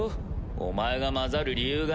お前が交ざる理由がねえ。